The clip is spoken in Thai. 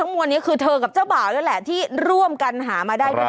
มวลนี้คือเธอกับเจ้าบ่าวนั่นแหละที่ร่วมกันหามาได้ด้วย